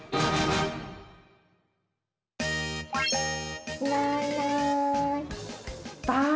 いないいないばぁ。